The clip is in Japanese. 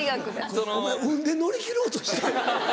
お前運で乗り切ろうとした？